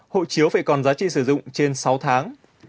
hộ chiếu phải còn giá trị sử dụng trên sáu tháng